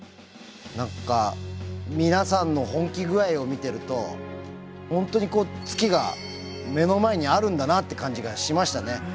何か皆さんの本気具合を見てると本当にこう月が目の前にあるんだなって感じがしましたね。